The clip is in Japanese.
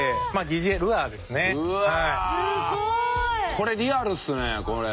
これリアルですねこれ。